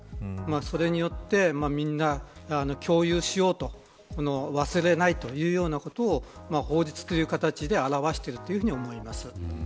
それによって共有しようと忘れないというようなことを法律という形で表していると思います。